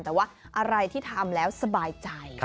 แต่ว่าอะไรที่ทำแล้วสบายใจ